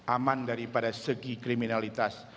aman daripada segi kriminalitas